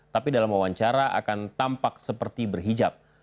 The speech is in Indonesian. tapi dalam wawancara akan tampak seperti berhijab